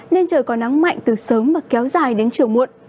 nên trời có nắng mạnh từ sớm và kéo dài đến chiều muộn